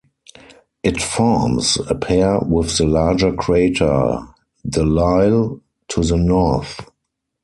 It forms a pair with the larger crater Delisle to the north.